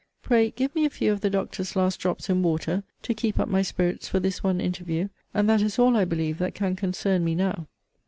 Pray give me a few of the doctor's last drops in water, to keep up my spirits for this one interview; and that is all, I believe, that can concern me now.